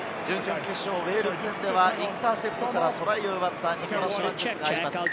ウェールズ戦ではインターセプトからトライを奪ったニコラス・サンチェスが入ります。